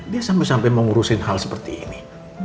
dia sampai sampai mau ngurusin hal seperti ini